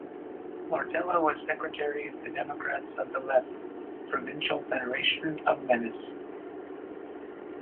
Martella was secretary of the Democrats of the Left provincial federation of Venice.